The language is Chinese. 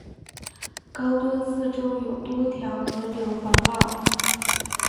高墩四周有多条河流环绕。